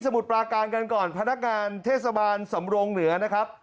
มุดปลาการกันก่อนพนักงานเทศบาลสำรงเหนือนะครับ